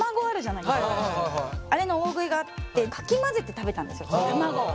あれの大食いがあってかき混ぜて食べたんですよ卵を。